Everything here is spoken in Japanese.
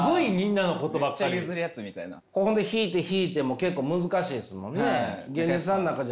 引いて引いても結構難しいですもんね。